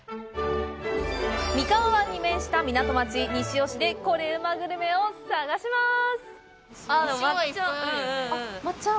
三河湾に面した港町、西尾市でコレうまグルメを探します。